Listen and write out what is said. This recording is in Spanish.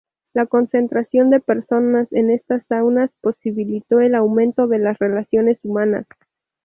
La concentración de personas en estas saunas posibilitó el aumento de las relaciones humanas.